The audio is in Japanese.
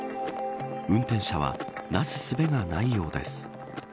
運転者はなすすべがないようです。